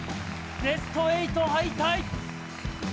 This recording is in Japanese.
ベスト８敗退。